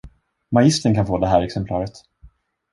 Magistern kan få det här exemplaret.